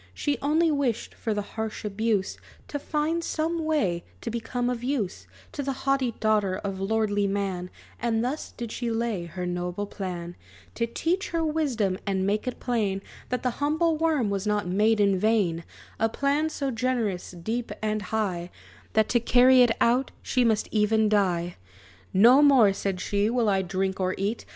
She only wished, for the harsh abuse, To find some way to become of use To the haughty daughter of lordly man; And thus did she lay her noble plan To teach her wisdom, and make it plain That the humble worm was not made in vain; A plan so generous, deep and high, That to carry it out, she must even die! "No more," said she, "will I drink or eat!